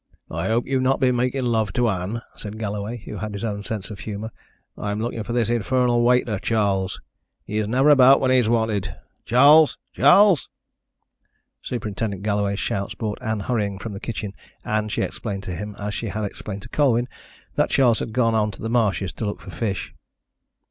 "I hope you've not been making love to Ann," said Galloway, who had his own sense of humour. "I'm looking for this infernal waiter, Charles. He is never about when he's wanted. Charles! Charles!" Superintendent Galloway's shouts brought Ann hurrying from the kitchen, and she explained to him, as she had explained to Colwyn, that Charles had gone on to the marshes to look for fish.